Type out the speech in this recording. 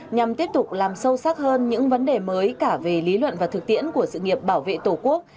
nhằm tiếp tục làm sâu sắc hơn những vấn đề mới cả về lý luận và thực tiễn của sự nghiệp bảo vệ tổ quốc